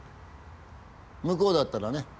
向こうだったらね